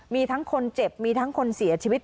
มีทั้งคนเจ็บมีทั้งคนเสียชีวิต